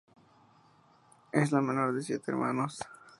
Es la menor de siete hermanos.